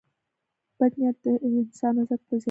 • بد نیت د انسان عزت ته زیان رسوي.